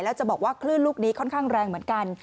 แล้วจะบอกว่าคลื่นลูกนี้ค่อนข้างแรงเหมือนกัน